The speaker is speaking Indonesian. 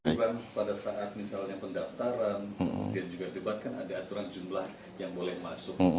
bukan pada saat misalnya pendaftaran kemudian juga debat kan ada aturan jumlah yang boleh masuk